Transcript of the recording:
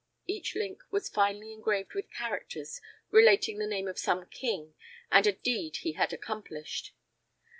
Each link was finely engraved with characters relating the name of some king and a deed he had accomplished.